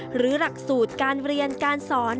หรือหลักสูตรการเรียนการสอน